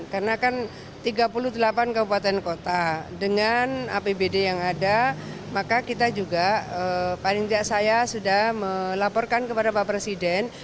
karena kan tiga puluh delapan kabupaten kota dengan apbd yang ada maka kita juga paling tidak saya sudah melaporkan kepada pak presiden